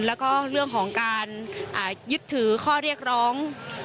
แล้วก็เรื่องของการยึดถือข้อเรียกร้อง